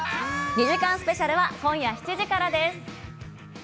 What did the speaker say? ２時間スペシャルは今夜７時からです。